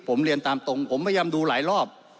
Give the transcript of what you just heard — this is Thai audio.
ผมเรียนตามตรงผมพยายามดูหลายรอบ